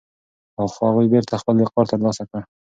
خو هغوی بېرته خپل وقار ترلاسه کړ.